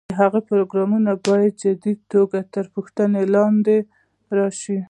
د هغه پروګرامونه باید په جدي توګه تر پوښتنې لاندې راشي.